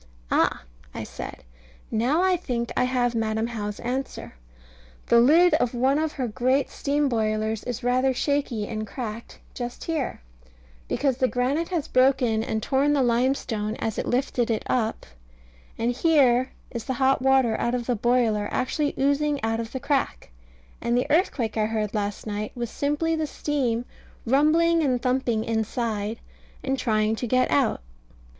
"Ah," I said, "now I think I have Madam How's answer. The lid of one of her great steam boilers is rather shaky and cracked just here, because the granite has broken and torn the limestone as it lifted it up; and here is the hot water out of the boiler actually oozing out of the crack; and the earthquake I heard last night was simply the steam rumbling and thumping inside, and trying to get out."